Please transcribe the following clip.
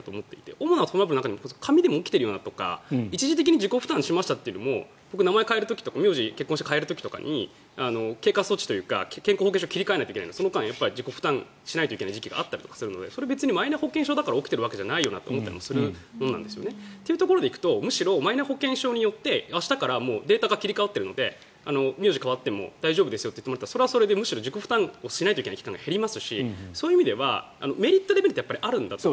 主なトラブルの中にも紙でも起きてるよなというのとか一時的に自己負担しましたというよりも僕、結婚して名字を変えるという時に経過措置というか健康保険証を切り替えなきゃいけないのでその間自己負担しなきゃいけない時もあったのでそれは別にマイナ保険証だから起きてるわけじゃないよなと思ったりするんですよね。というところで行くとむしろマイナ保険証によって明日からデータが切り替わっているので名字が変わっても大丈夫ですよと言ってくれたらむしろ自己負担をしないといけない人が減りますしそういう意味ではメリット、デメリットはやっぱりあるんだと。